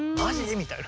みたいな。